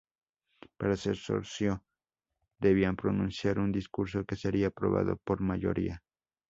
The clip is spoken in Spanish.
Para ser socio debían pronunciar un discurso que sería aprobado por mayoría.